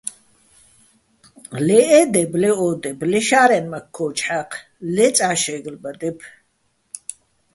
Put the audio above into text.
ლე ე დებ, ლე ო დებ, ლე შა́რემაქ ქო́ჯო̆ ჰ̦ა́ჴ, ლე წა შე́გლბადებ.